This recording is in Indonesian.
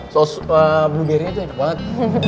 saus blueberry aja enak banget